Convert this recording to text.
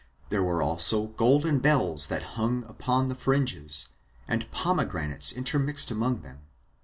There were also golden bells that hung upon the fringes, and pomegranates intermixed among them.